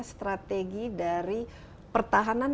strategi dari pertahanan